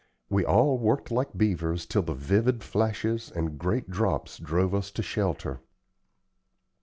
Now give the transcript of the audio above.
We all worked like beavers till the vivid flashes and great drops drove us to shelter.